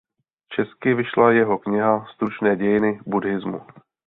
Česky vyšla jeho kniha "Stručné dějiny buddhismu".